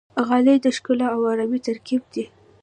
غالۍ د ښکلا او آرامۍ ترکیب دی.